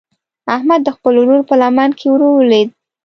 احمد د خپل ورور په لمن کې ور ولوېد.